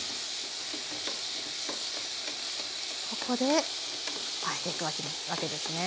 ここで加えていくわけですね。